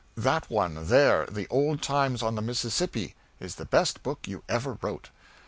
That one there, the 'Old Times on the Mississippi,' is the best book you ever wrote!"